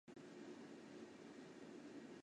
三门豹蛛为狼蛛科豹蛛属的动物。